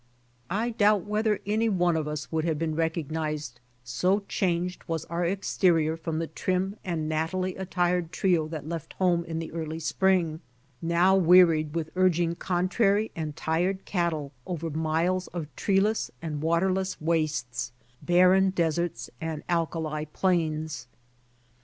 I doubt whether any one of us would have been recognized, so changed was our exterior from the trim and nattily attired trio that left home in the early spring, now wearied with urging contrary 53 54 BY ox TEAM TO CALIFORNIA and tired cattle over miles of treeless and waterless wastes, barren deserts and alkali plains.